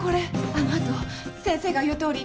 あのあと先生が言うとおり